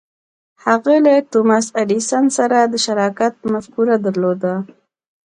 هغه له توماس ایډېسن سره د شراکت مفکوره درلوده.